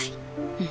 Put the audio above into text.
うん。